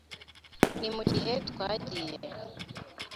Ni mugihe twagiye.